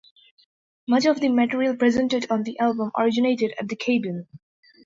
Much of the material presented on the album originated at the cabin.